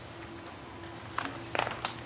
すいません。